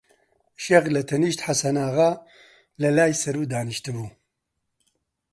شێخ لەتەنیشت حەسەناغا لە لای سەروو دانیشتبوو